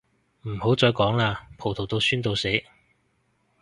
唔好再講喇，葡萄到酸到死